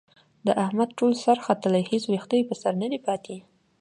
د احمد ټول سر ختلی، هېڅ وېښته یې په سر ندی پاتې.